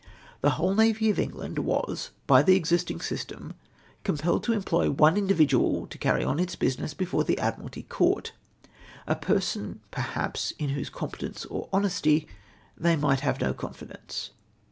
"The whole navy of England was, by the existing system, compelled to employ one individual to carry on its business before the Admiralty Court ; a person perhaps in whose competence or honesty they might have no confidence.